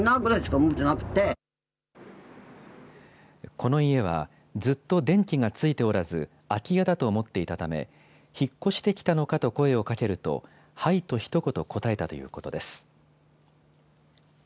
この家は、ずっと電気がついておらず、空き家だと思っていたため、引っ越してきたのかと声をかけると、はいとひと言答えたということです。